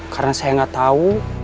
karena saya gak tau